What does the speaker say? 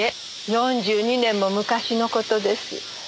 ４２年も昔の事です。